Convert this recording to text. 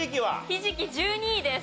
ひじき１２位です。